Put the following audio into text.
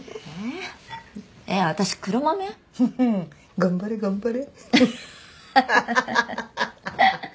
頑張れ頑張れ。